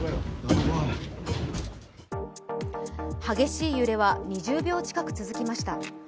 激しい揺れは２０秒近く続きました。